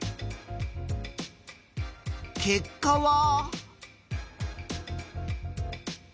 結果は。